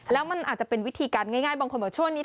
แล้วมันอาจจะเป็นวิธีการง่ายบางคนบอกช่วงนี้